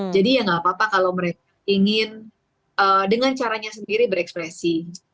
jadi ya tidak apa apa kalau mereka ingin dengan caranya sendiri berekspresi